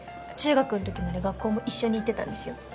中学ん時まで学校も一緒に行ってたんですよ。